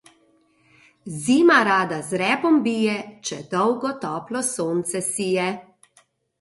Zima rada z repom bije, če dolgo toplo sonce sije.